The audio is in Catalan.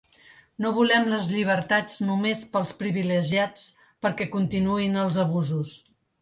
No volem les llibertats només pels privilegiats perquè continuïn els abusos.